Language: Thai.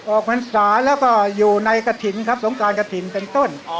พรรษาแล้วก็อยู่ในกระถิ่นครับสงการกระถิ่นเป็นต้น